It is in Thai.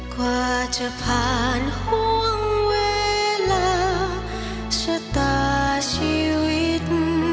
กว่าจะผ่านห่วงเวลาชะตาชีวิต